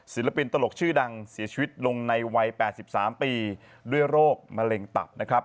ศิลปินตลกชื่อดังเสียชีวิตลงในวัย๘๓ปีด้วยโรคมะเร็งตับนะครับ